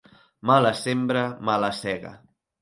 Mala sembra, mala sega.